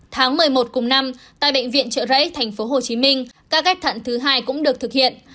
tháng một mươi một cùng năm tại bệnh viện trợ rẫy tp hcm ca ghép thận thứ hai cũng được thực hiện